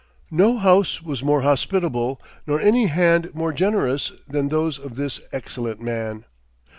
No house was more hospitable, nor any hand more generous, than those of this excellent man.